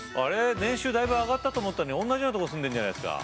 年収だいぶ上がったと思ったのにおんなじようなとこ住んでんじゃないですか。